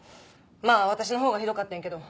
まあ私のほうがひどかってんけど。